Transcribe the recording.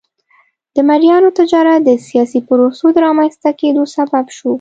د مریانو تجارت د سیاسي پروسو د رامنځته کېدو سبب شو.